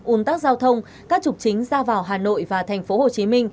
un tắc giao thông các trục chính ra vào hà nội và tp hcm